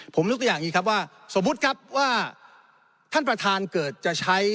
ผมยกตัวอย่างนี้ครับว่าสมมุติครับว่าท่านประธานเกิดจะใช้